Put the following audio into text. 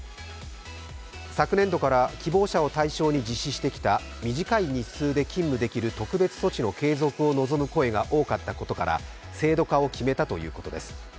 昨年度から希望者を対象に実施してきた短い日数で勤務できる特別措置の継続を望む声が多かったことから、制度化を決めたということです。